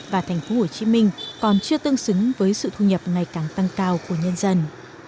và thành phố hồ chí minh còn chưa tương xứng với sự thu nhập ngày càng tăng cao của nhân dân